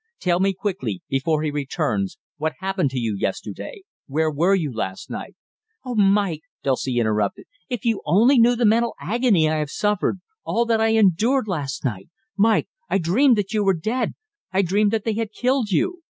Tell me quickly, before he returns: what happened to you yesterday? Where were you last night?" "Oh, Mike!" Dulcie interrupted, "if you only knew the mental agony I have suffered, all that I endured last night Mike, I dreamed that you were dead, I dreamed that they had killed you!"